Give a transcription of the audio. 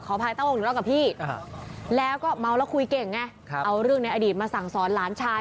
อภัยตั้งวงเล่ากับพี่แล้วก็เมาแล้วคุยเก่งไงเอาเรื่องในอดีตมาสั่งสอนหลานชาย